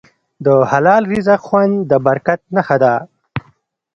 د حلال رزق خوند د برکت نښه ده.